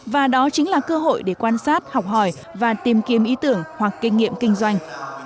và đó chính là cơ hội để quan sát học hỏi và tìm kiếm ý tưởng hoặc kinh nghiệm kinh doanh